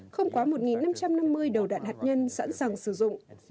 không quá một năm trăm năm mươi đầu đạn hạt nhân sẵn sàng sử dụng